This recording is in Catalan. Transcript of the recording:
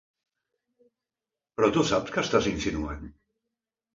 Però tu saps què estàs insinuant?